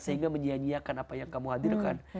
sehingga menyianyiakan apa yang kamu hadirkan